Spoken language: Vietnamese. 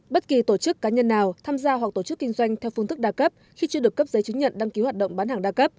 bất kỳ tổ chức cá nhân nào tham gia hoặc tổ chức kinh doanh theo phương thức đa cấp khi chưa được cấp giấy chứng nhận đăng ký hoạt động bán hàng đa cấp